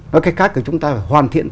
nói cách khác thì chúng ta phải hoàn thiện